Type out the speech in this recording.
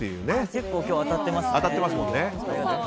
結構、今日は当たっていますね。